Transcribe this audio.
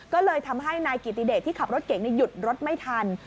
ก็เลยทำให้นายกิติเดชที่ขับรถเก่งหยุดรถไม่ทัน